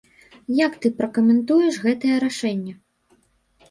Як ты пракамэнтуеш гэтае рашэнне?